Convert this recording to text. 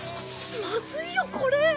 まずいよこれ！